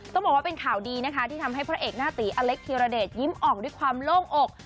ต้องบอกว่าเป็นข่าวดีนะคะที่ทำให้พระเอกหน้าตีอเล็กธีรเดชยิ้มออกด้วยความโล่งอก